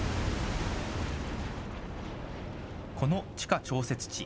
この地下調節池。